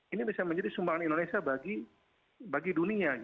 ini bisa menjadi sumbangan indonesia bagi dunia